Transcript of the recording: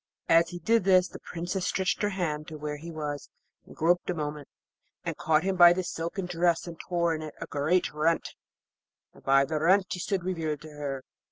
As he did this the Princess stretched her hand to where he was and groped a moment, and caught him by the silken dress and tore in it a great rent, and by the rent he stood revealed to her.